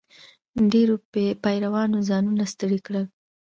ډېرو پیرانو ځانونه ستړي کړل.